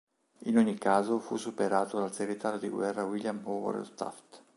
In ogni caso fu superato dal segretario di guerra William Howard Taft.